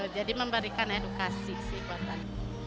jadi memberikan edukasi sih buatan